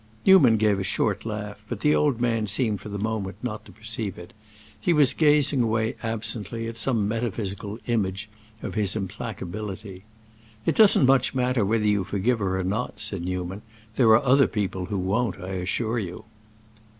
Newman gave a short laugh, but the old man seemed for the moment not to perceive it; he was gazing away, absently, at some metaphysical image of his implacability. "It doesn't much matter whether you forgive her or not," said Newman. "There are other people who won't, I assure you."